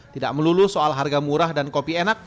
tidak melulu soal harga murah dan kopi enak